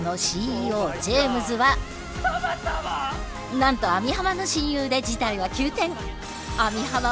なんと網浜の親友で事態は急転！